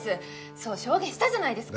そう証言したじゃないですか。